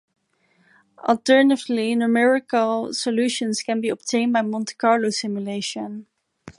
Alternatively numerical solutions can be obtained by Monte Carlo simulation.